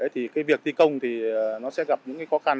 thì cái việc thi công thì nó sẽ gặp những cái khó khăn